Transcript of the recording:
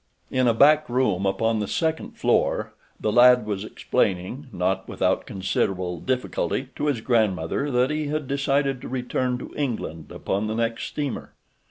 In a back room upon the second floor the lad was explaining, not without considerable difficulty, to his grandmother that he had decided to return to England upon the next steamer.